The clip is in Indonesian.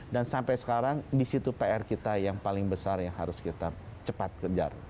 dan sampai sekarang di situ pr kita yang paling besar yang harus kita cepat kerjakan